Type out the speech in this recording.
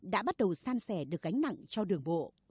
đã bắt đầu san sẻ được gánh nặng cho đường bộ